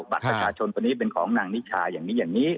บัตรประชาชนคนนี้เป็นของนางนิชาอย่างนี้อย่างนี้